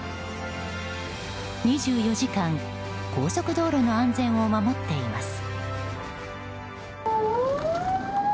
２４時間高速道路の安全を守っています。